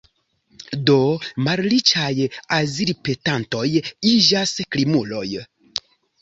Do malriĉaj azilpetantoj iĝas krimuloj.